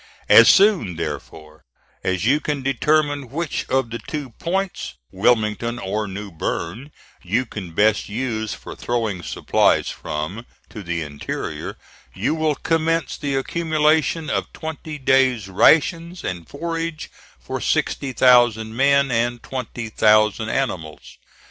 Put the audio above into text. As soon, therefore, as you can determine which of the two points, Wilmington or New Bern, you can best use for throwing supplies from, to the interior, you will commence the accumulation of twenty days' rations and forage for sixty thousand men and twenty thousand animals.